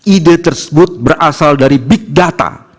ide tersebut berasal dari big data